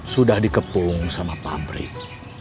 sudah dikepung sama pabrik